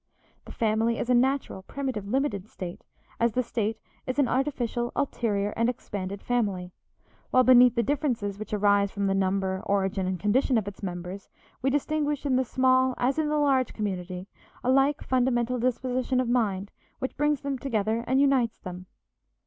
The Family is a natural, primitive, limited state, as the State is an artificial, ulterior, and expanded Family, while beneath the differences which arise from the number, origin, and condition of its members, we distinguish, in the small as in the large community, a like fundamental disposition of mind which brings them together and unites them.